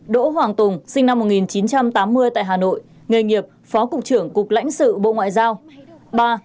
năm đỗ hoàng tùng sinh năm một nghìn chín trăm tám mươi tại hà nội nghề nghiệp phó cục trưởng cục lãnh sự bộ ngoại giao